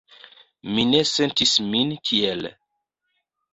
Mi ne sentis min tiel.